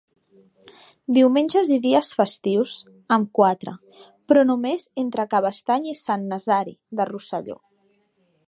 Diumenge i dies festius, amb quatre, però només entre Cabestany i Sant Nazari de Rosselló.